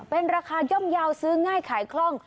เป็นราคาย่อมเยาว์ซื้อง่ายขายคล่อง